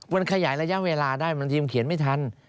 มันขยายระยะเวลาได้บางทีมันเขียนไม่ทัน